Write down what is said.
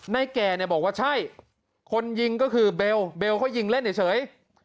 แก่เนี่ยบอกว่าใช่คนยิงก็คือเบลเบลเขายิงเล่นเฉย